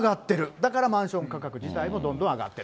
だから、マンション価格自体もどんどん上がってる。